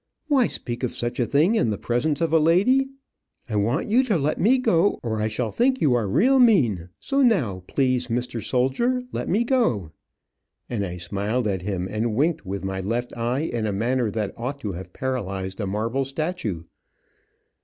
"Why speak of such a thing in the presence of a lady. I want you to let me go or I shall think you are real mean, so now. Please, Mr. Soldier, let me go," and I smiled at him and winked with my left eye in a manner that ought to have paralyzed a marble statue.